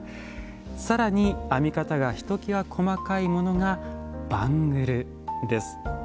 更に編み方がひときわ細かいものがバングルです。